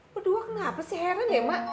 kedua kenapa sih heran ya mak